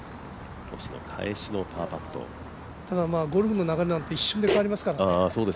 ただ、ゴルフの流れなんて一瞬で変わりますからね。